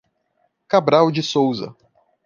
Cabral de Souza